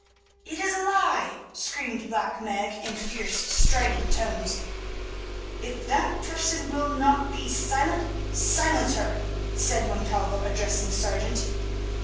"It is a lie," screamed Black Meg in fierce, strident tones. "If that person will not be silent, silence her," said Montalvo, addressing the sergeant.